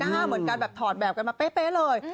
เหมือนการแบบถอดแบบกันมาเป๊ะเลย